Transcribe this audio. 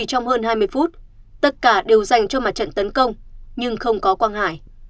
trong hơn hai mươi phút tất cả đều dành cho mặt trận tấn công nhưng không có quang hải